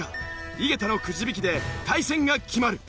井桁のくじ引きで対戦が決まる。